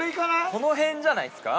このへんじゃないですか。